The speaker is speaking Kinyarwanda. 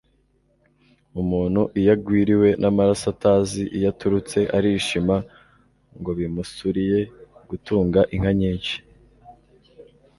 Umuntu iyo agwiriwe n’amaraso atazi iyo aturutse, arishima ngo bimusuriye gutunga inka nyinshi